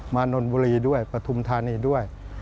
นนบุรีด้วยปฐุมธานีด้วย